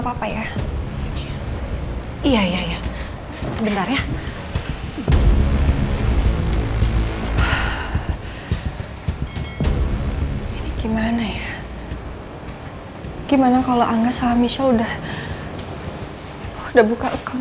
papa ya iya iya sebentar ya gimana ya gimana kalau angga sama michelle udah udah buka account